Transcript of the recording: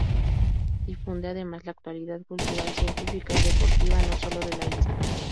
Difunde, además, la actualidad cultural, científica y deportiva, no solo de la Isla.